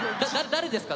誰ですか？